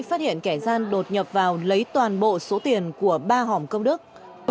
phát hiện kẻ gian đột nhập vào lấy toàn bộ số tiền của ba hòm công đức